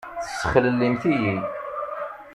Tessexlellimt-iyi!